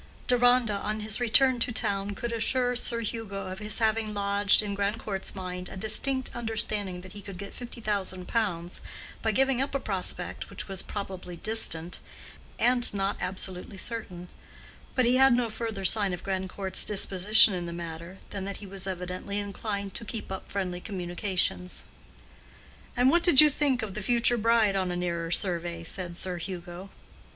Deronda, on his return to town, could assure Sir Hugo of his having lodged in Grandcourt's mind a distinct understanding that he could get fifty thousand pounds by giving up a prospect which was probably distant, and not absolutely certain; but he had no further sign of Grandcourt's disposition in the matter than that he was evidently inclined to keep up friendly communications. "And what did you think of the future bride on a nearer survey?" said Sir Hugo.